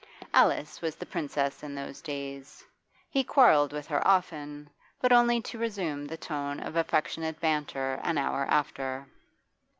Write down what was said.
Alice was the Princess in those days. He quarrelled with her often, but only to resume the tone of affectionate banter an hour after.